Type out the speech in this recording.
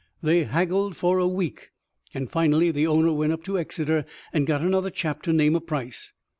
They haggled for a week, and finally the owner went up to Exeter and got another chap to name a price.